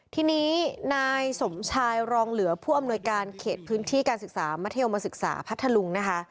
ทีนี้นายสมชายรองเหลือผู้อำนวยการเขตพื้นที่การศึกษามัธยมศึกษาพัทธลุงนะคะ